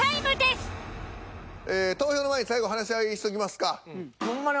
投票の前に最後話し合いしときますか？